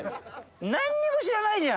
なんにも知らないじゃん。